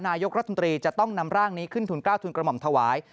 นายกรัฐมนตรีจะต้องนำร่างนี้ขึ้นทุน๙ทุนกระหม่อมถวาย